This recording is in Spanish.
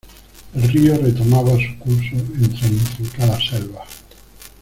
El rio retomaba su curso entre intrincadas selvas